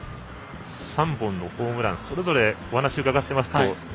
３本のホームランはそれぞれお話を伺っていますと。